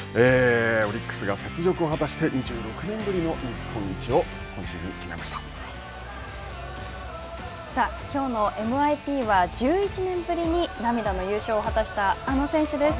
オリックスが雪辱を果たして２６年ぶりの日本一を今シーズン決めさあ、「きょうのＭＩＰ」は１１年ぶりに涙の優勝を果たしたあの選手です。